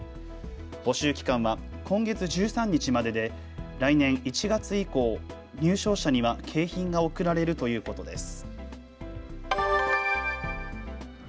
募集期間は今月１３日までで来年１月以降、入賞者には景品が贈られるということです。